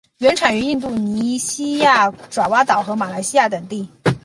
原产于印度尼西亚爪哇岛和马来西亚等地。